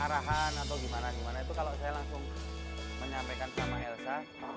arahan atau gimana gimana itu kalau saya langsung menyampaikan sama elsa